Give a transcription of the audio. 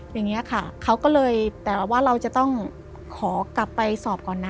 อย่างนี้ค่ะเขาก็เลยแต่ว่าเราจะต้องขอกลับไปสอบก่อนนะ